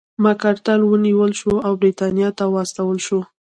مک ارتر ونیول شو او برېټانیا ته واستول شو.